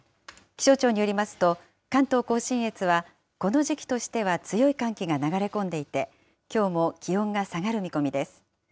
気象庁によりますと、関東甲信越は、この時期としては強い寒気が流れ込んでいて、きょうも気温が下がる見込みです。